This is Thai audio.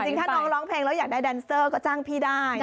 ถ้าน้องร้องเพลงแล้วอยากได้แดนเซอร์ก็จ้างพี่ได้